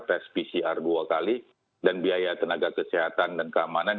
tes pcr dua kali dan biaya tenaga kesehatan dan keamanan